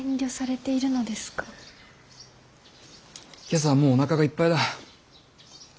今朝はもうおなかがいっぱいだ。